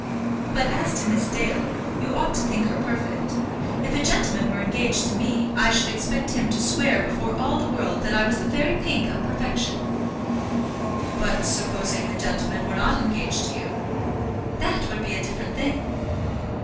But as to Miss Dale, you ought to think her perfect. If a gentleman were engaged to me, I should expect him to swear before all the world that I was the very pink of perfection." "But supposing the gentleman were not engaged to you?" "That would be a different thing."